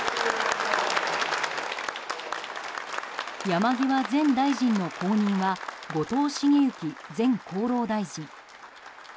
山際前大臣の後任は後藤茂之前厚労大臣。